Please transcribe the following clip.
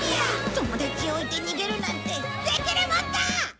「友達を置いて逃げるなんてできるもんか！」